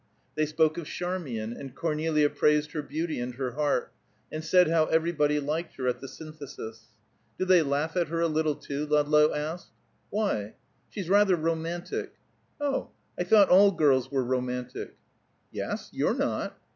They spoke of Charmian, and Cornelia praised her beauty and her heart, and said how everybody liked her at the Synthesis. "Do they laugh at her a little, too?" Ludlow asked. "Why?" "She's rather romantic." "Oh, I thought all girls were romantic." "Yes? You're not."